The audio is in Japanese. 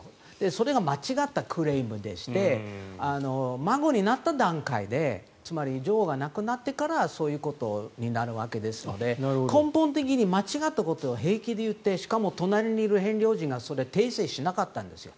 それが間違ったクレームでして孫になった段階でつまり、女王が亡くなってからそういうことになるわけですので根本的な間違ったことを平気で言ってしかも隣にいるヘンリー王子がそれを訂正しなかったんですよ。